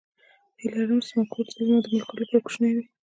هیله لرم چې زما کور تل زما د ملګرو لپاره کوچنی وي.